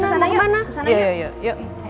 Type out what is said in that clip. ke sana yuk